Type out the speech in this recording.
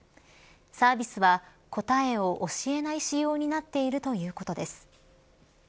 サービスは、答えを教えない仕様になっているということです。